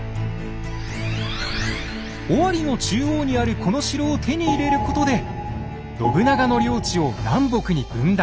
尾張の中央にあるこの城を手に入れることで信長の領地を南北に分断。